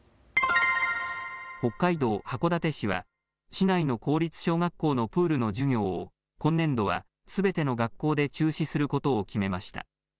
北海道函館市は市内の公立小学校のプールの授業を今年度はすべての学校で中止することを決めました。